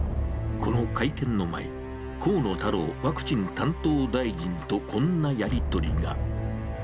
この会見の前、河野太郎ワクチン担当大臣とこんなやり取りが。